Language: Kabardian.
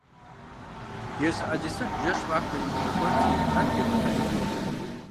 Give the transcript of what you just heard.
Езы ӏэлисахь, жэщ-махуэ имыӏэу, кӏуэрти ар пигъэнэжырт.